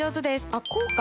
あっこうか。